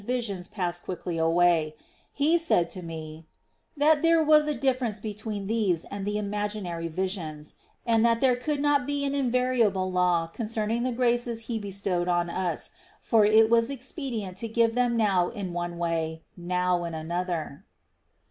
visions pass quickly away; He said to me "that there was a difference between these and the imaginary visions, and that there could not be an invariable law concerning the graces He bestowed on us ; for it was expedient to give them now in one way, now in another."